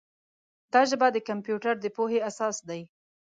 دا ژبه د کمپیوټر د پوهې اساس دی.